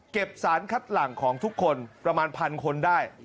เก็บสารคัดหลังของทุกคนประมาณ๑๐๐๐คนได้